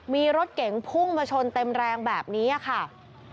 มีรถเก๋งพุ่งมาชนเต็มแรงแบบนี้ค่ะ